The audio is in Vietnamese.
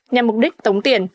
nhằm mục đích tống tiền